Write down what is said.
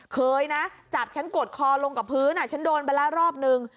เคยนะจับฉันกดคอลงกับพื้นฉันโดนไปแล้วรอบนึง